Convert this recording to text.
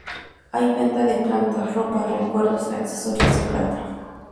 Hay venta de plantas, ropa, recuerdos, accesorios de plata.